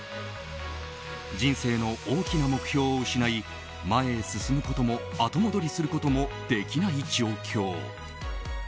人生の大きな目標を失い前へ進むことも後戻りすることもできない状況。